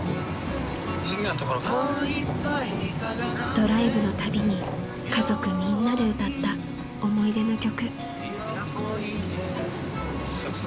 ［ドライブのたびに家族みんなで歌った思い出の曲］